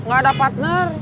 gak ada partner